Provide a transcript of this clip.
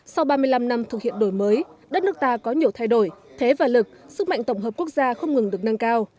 sau ba mươi năm năm thực hiện đổi mới đất nước ta có nhiều thay đổi thế và lực sức mạnh tổng hợp quốc gia không ngừng được nâng cao